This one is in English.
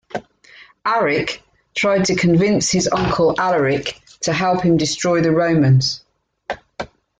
Aric tried to convince his uncle, Alaric, to help him destroy the Romans.